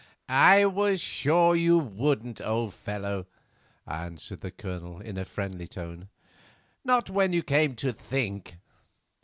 "I was sure you wouldn't, old fellow," answered the Colonel in a friendly tone, "not when you came to think.